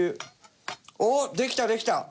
あっできたできた！